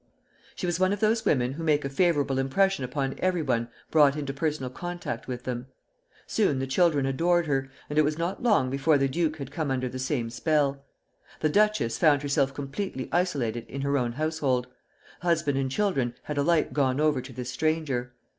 She was one of those women who make a favorable impression upon everyone brought into personal contact with them. Soon the children adored her, and it was not long before the duke had come under the same spell. The duchess found herself completely isolated in her own household; husband and children had alike gone over to this stranger.